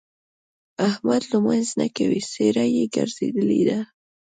احمد لمونځ نه کوي؛ څېره يې ګرځېدلې ده.